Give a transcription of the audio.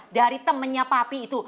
dari temennya papi itu